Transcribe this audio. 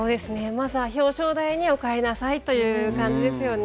まずは表彰台にお帰りなさいという感じですよね。